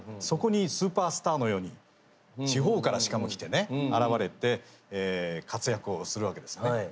そこにスーパースターのように地方からしかも来てね現れて活躍をするわけですね。